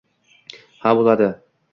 — Ha, boʻladi.